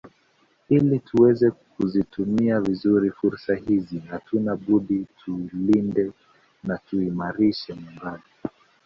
Ili tuweze kuzitumia vizuri fursa hizi hatuna budi tuulinde na tuuimarishe Muungano